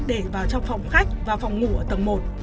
để vào trong phòng khách và phòng ngủ ở tầng một